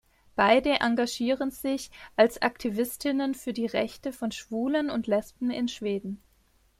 Beide engagieren sich als Aktivistinnen für die Rechte von Schwulen und Lesben in Schweden.